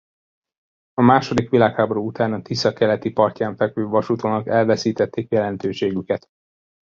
A második világháború után a Tisza keleti partján fekvő vasútvonalak elveszítették jelentőségüket.